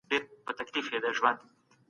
د جام منار د غوریانو د دوري یادګار دی.